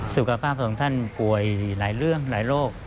สุขภาพของท่านป่วยหลายเรื่องหลายโรค